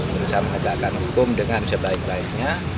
berusaha menegakkan hukum dengan sebaik baiknya